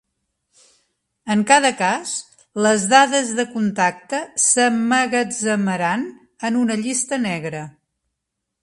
En cada cas, les dades de contacte s'emmagatzemaran en una llista negra.